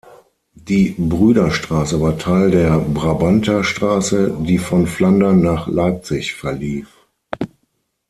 Die Brüderstraße war Teil der Brabanter Straße, die von Flandern nach Leipzig verlief.